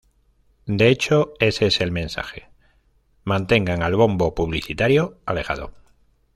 De hecho, ese es el mensaje: Mantengan al bombo publicitario alejado".